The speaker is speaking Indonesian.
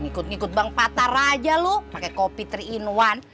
ngikut ngikut bang patar aja lu pakai kopi tri in one